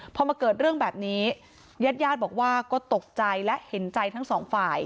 พอมาเกิดเรื่องแบบนี้ญาติญาติบอกว่าก็ตกใจและเห็นใจทั้งสองฝ่าย